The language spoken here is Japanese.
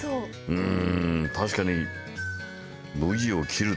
うん。